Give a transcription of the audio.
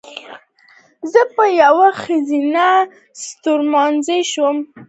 زه به یوه ښځینه ستورمزلې شم."